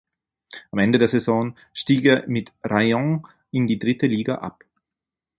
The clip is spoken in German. Am Ende der Saison stieg er mit Rayong in die dritte Liga ab.